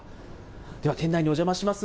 では店内にお邪魔します。